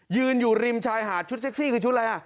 ยืนอยู่ริมชายหาดชุดเซ็กซี่คือชุดอะไรอ่ะ